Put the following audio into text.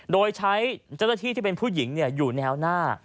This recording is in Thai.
โดยใช้เจ้าหน้าที่ที่เป็นผู้หญิงอยู่แนวหน้า